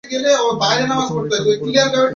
বর্তমানে এটি নৌ পরিবহন মন্ত্রণালয়ের অধীনে পরিচালিত।